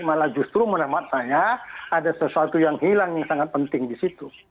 malah justru menurut saya ada sesuatu yang hilang yang sangat penting di situ